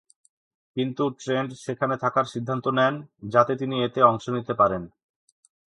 কিন্তু ট্রেন্ট সেখানে থাকার সিদ্ধান্ত নেন, যাতে তিনি এতে অংশ নিতে পারেন।